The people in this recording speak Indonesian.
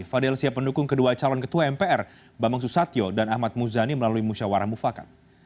fadil siap mendukung kedua calon ketua mpr bambang susatyo dan ahmad muzani melalui musyawarah mufakat